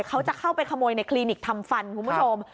เขาจะเข้าไปขโมยในคลินิกทำฟันคุณผู้ชม